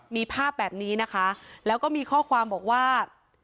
มีภาพแบบนี้นะคะแล้วก็มีข้อความบอกว่า